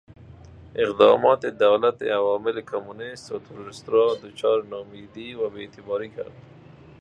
اقدامات دولتعوامل کمونیست و تروریست را دچار نومیدی و بیاعتباری کرد.